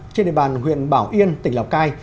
trên đề bàn huyện bảo yên tỉnh lào cai